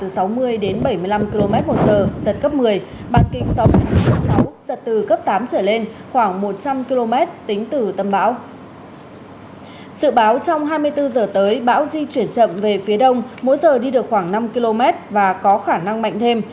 sự báo trong hai mươi bốn h tới bão di chuyển chậm về phía đông mỗi giờ đi được khoảng năm km và có khả năng mạnh thêm